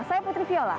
saya putri viola